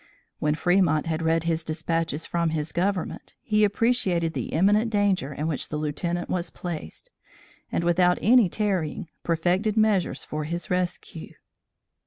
When Fremont had read his despatches from his Government, he appreciated the imminent danger in which the Lieutenant was placed, and, without any tarrying, perfected measures for his rescue.